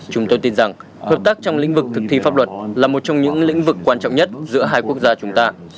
chúng tôi tin rằng hợp tác trong lĩnh vực thực thi pháp luật là một trong những lĩnh vực quan trọng nhất giữa hai quốc gia chúng ta